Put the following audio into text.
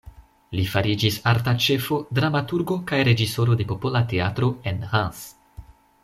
Li fariĝis arta ĉefo, dramaturgo kaj reĝisoro de Popola teatro en Reims.